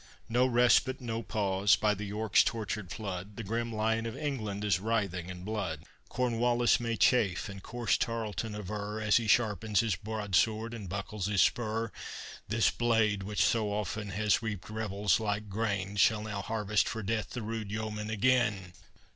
No respite, no pause; by the York's tortured flood, The grim Lion of England is writhing in blood. Cornwallis may chafe and coarse Tarleton aver, As he sharpens his broadsword and buckles his spur, "This blade, which so oft has reaped rebels like grain, Shall now harvest for death the rude yeomen again."